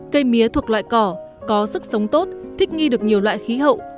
cây mía thuộc loại cỏ có sức sống tốt thích nghi được nhiều loại khí hậu